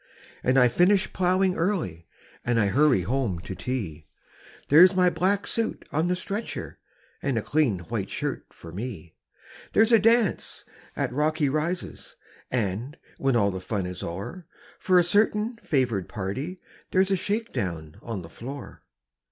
And I finish ploughing early, And I hurry home to tea There's my black suit on the stretcher, And a clean white shirt for me; There's a dance at Rocky Rises, And, when all the fun is o'er, For a certain favoured party There's a shake down on the floor.